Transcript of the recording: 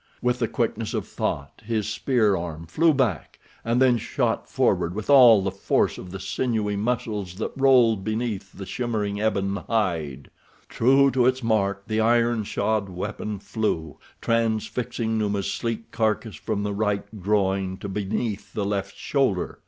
With the quickness of thought his spear arm flew back, and then shot forward with all the force of the sinewy muscles that rolled beneath the shimmering ebon hide. True to its mark the iron shod weapon flew, transfixing Numa's sleek carcass from the right groin to beneath the left shoulder.